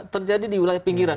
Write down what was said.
terjadi di wilayah pinggiran